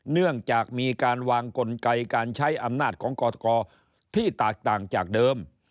เนื่องจากมีการวางกลไกการใช้อำนาจของกรกที่แตกต่างจากเดิม